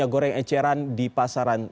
goreng eceran di pasaran